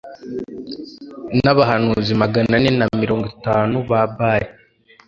n'abahanuzi magana ane na mirongo itanu ba Baali.